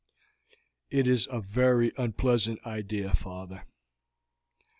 "It is a very unpleasant idea, father."